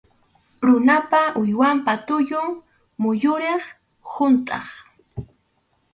Runapa, uywapa tullun muyuriq huntʼaq.